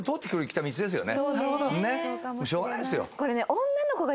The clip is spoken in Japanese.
しょうがないですよ。